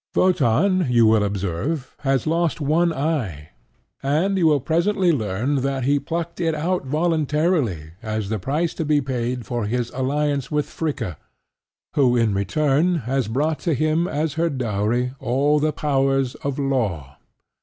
Wotan, you will observe, has lost one eye; and you will presently learn that he plucked it out voluntarily as the price to be paid for his alliance with Fricka, who in return has brought to him as her dowry all the powers of Law.